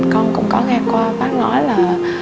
con cũng có nghe qua bác nói là